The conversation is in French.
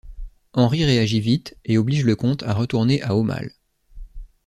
Henri réagit vite et oblige le comte à retourner à Aumale.